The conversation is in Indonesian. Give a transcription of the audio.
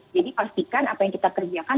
jadi pastikan apa yang kita kerjakan